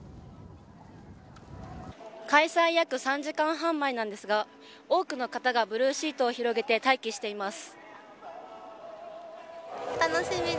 開催約３時間半前なんですが多くの方がブルーシートを広げて待機しています。